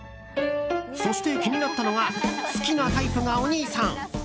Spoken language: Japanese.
そして気になったのが好きなタイプがお兄さん。